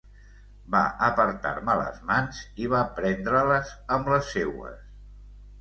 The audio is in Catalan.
Va apartar-me les mans i va prendre-les amb les seues.